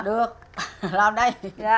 được làm đây